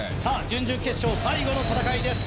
準々決勝最後の戦いです